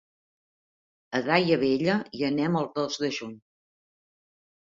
A Daia Vella hi anem el dos de juny.